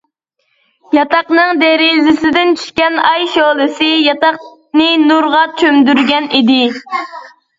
ياتاقنىڭ دېرىزىسىدىن چۈشكەن ئاي شولىسى ياتاقنى نۇرغا چۆمدۈرگەن ئىدى.